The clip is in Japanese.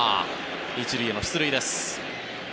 １塁への出塁です。